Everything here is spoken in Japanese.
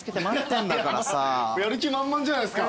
やる気満々じゃないですか。